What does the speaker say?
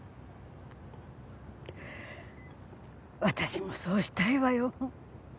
私もそうしたいわよ。